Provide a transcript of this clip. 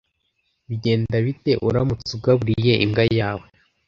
Bigenda bite uramutse ugaburiye imbwa yawe?